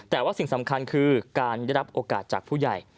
แต่ว่าสิ่งสำคัญคือการได้รับโอกาสจากผู้ใหญ่